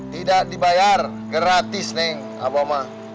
tidak dibayar gratis neng abah mah